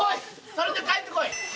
それで帰ってこい！